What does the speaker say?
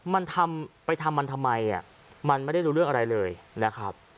มันทำไปทำมันทำไมมันไม่ได้รู้เรื่องอะไรเลยนะครับ